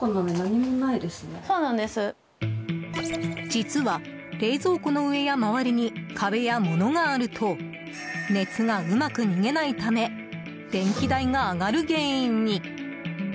実は、冷蔵庫の上や周りに壁や物があると熱がうまく逃げないため電気代が上がる原因に。